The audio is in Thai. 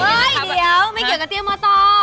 เฮ้ยเดี๋ยวไม่เกี่ยวกับเตี้ยมอเตอร์